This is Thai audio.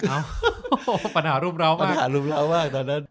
โอ้โหปัญหารูปเรามากปัญหารูปเรามากตอนนั้น